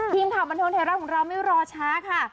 ทีมข่าวบันเทิงไทยรัฐของเราไม่รอช้าค่ะ